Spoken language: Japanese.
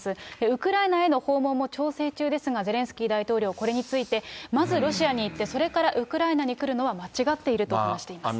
ウクライナへの訪問も調整中ですが、ゼレンスキー大統領、これについて、まずロシアに行って、それからウクライナに来るのは間違っていると話しています。